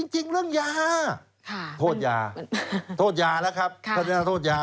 จริงเรื่องยาโทษยาโทษยาแล้วครับถ้าโทษยา